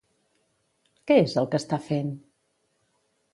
Què és el que està fent?